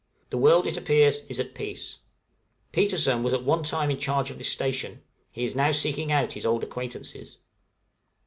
The world, it appears, is at peace. Petersen was at one time in charge of this station; he is now seeking out his old acquaintances.